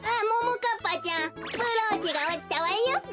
かっぱちゃんブローチがおちたわよべ。